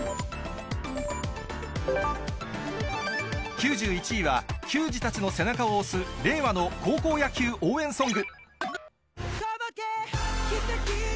９１位は、球児たちの背中を押す、令和の高校野球応援ソング。